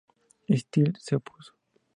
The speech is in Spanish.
Steel— se opuso.